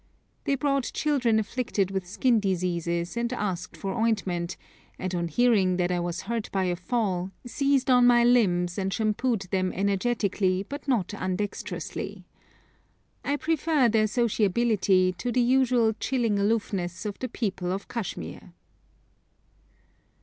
They brought children afflicted with skin diseases, and asked for ointment, and on hearing that I was hurt by a fall, seized on my limbs and shampooed them energetically but not undexterously. I prefer their sociability to the usual chilling aloofness of the people of Kashmir.